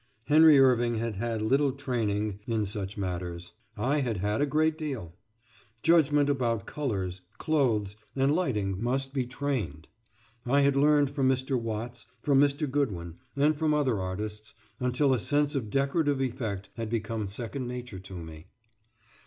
Henry Irving had had little training in such matters; I had had a great deal. Judgment about colours, clothes, and lighting must be trained. I had learned from Mr. Watts, from Mr. Goodwin, and from other artists, until a sense of decorative effect had become second nature to me.